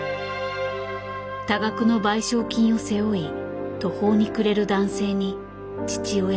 多額の賠償金を背負い途方に暮れる男性に父親は言った。